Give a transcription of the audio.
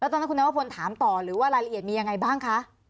แล้วตอนนั้นคุณแน่วโอบพนธ์ถามต่อหรือว่ารายละเอียดมียังไงบ้างค่ะ